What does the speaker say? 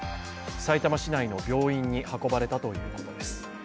さいたま市内の病院に運ばれたということです